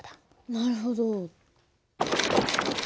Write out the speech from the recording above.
なるほど。